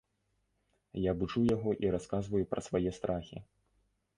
Я буджу яго і расказваю пра свае страхі.